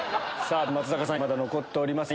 松坂さんまだ残っております